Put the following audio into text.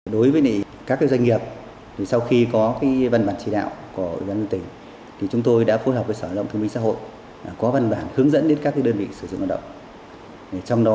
đối với các doanh nghiệp sau khi có văn bản chỉ đạo của ubnd chúng tôi đã phối hợp với sở lộng thông minh xã hội có văn bản hướng dẫn đến các đơn vị sử dụng hoạt động